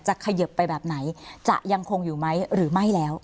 เขยิบไปแบบไหนจะยังคงอยู่ไหมหรือไม่แล้ว